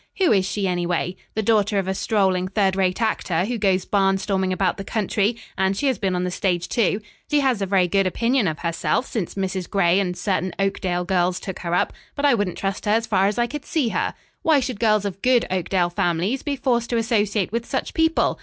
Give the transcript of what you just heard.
Who is she, anyway? The daughter of a strolling third rate actor, who goes barnstorming about the country, and she has been on the stage, too. She has a very good opinion of herself since Mrs. Gray and certain Oakdale girls took her up, but I wouldn't trust her as far as I could see her. Why should girls of good Oakdale families be forced to associate with such people?